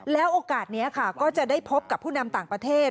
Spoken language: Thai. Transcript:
แล้วโอกาสนี้ค่ะก็จะได้พบกับผู้นำต่างประเทศ